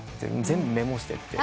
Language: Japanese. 全部メモしてって。